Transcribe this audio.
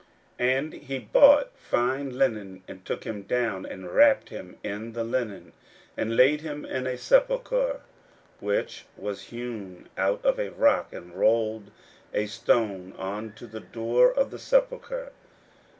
41:015:046 And he bought fine linen, and took him down, and wrapped him in the linen, and laid him in a sepulchre which was hewn out of a rock, and rolled a stone unto the door of the sepulchre.